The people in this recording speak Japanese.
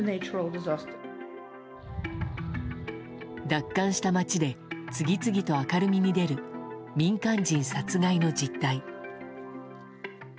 奪還した街で次々と明るみに出る民間人殺害の実態。